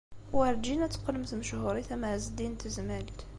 Werǧin ad teqqlemt mechuṛit am Ɛezdin n Tezmalt.